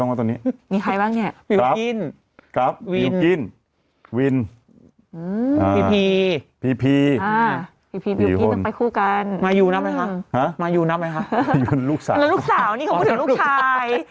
แล้วลูกสาวนี่เขาพูดถึงลูกชาย